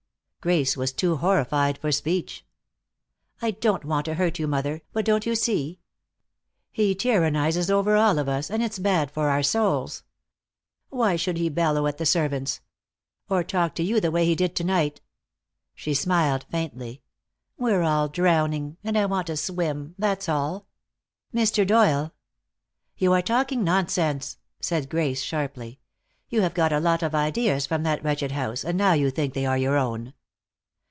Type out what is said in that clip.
Grace was too horrified for speech. "I don't want to hurt you, mother, but don't you see? He tyrannizes over all of us, and it's bad for our souls. Why should he bellow at the servants? Or talk to you the way he did to night?" She smiled faintly. "We're all drowning, and I want to swim, that's all. Mr. Doyle " "You are talking nonsense," said Grace sharply. "You have got a lot of ideas from that wretched house, and now you think they are your own.